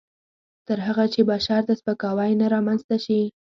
تر هغه چې بشر ته سپکاوی نه رامنځته شي.